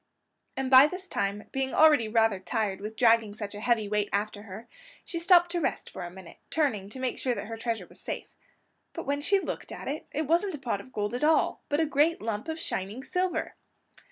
And by this time, being already rather tired with dragging such a heavy weight after her, she stopped to rest for a minute, turning to make sure that her treasure was safe. But when she looked at it, it wasn't a pot of gold at all, but a great lump of shining silver!